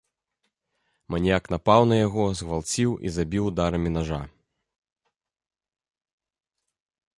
Маньяк напаў на яго, згвалціў і забіў ударамі нажа.